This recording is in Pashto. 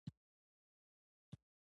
دا د ولس د ژوند په بیه وو.